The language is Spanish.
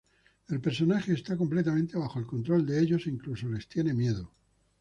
El personaje está completamente bajo el control de ellos e incluso les tiene miedo.